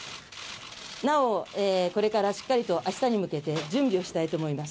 なお、これからしっかりと明日にむけて準備をしたいと思います。